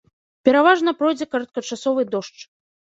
Пераважна пройдзе кароткачасовы дождж.